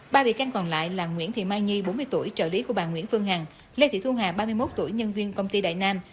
ba bị can còn lại là nguyễn thị mai nhi bốn mươi tuổi trợ lý của bà nguyễn phương hằng lê thị thu hà ba mươi một tuổi nhân viên công ty đại nam